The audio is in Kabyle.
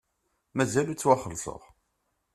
Mazal ur ttwaxelṣeɣ.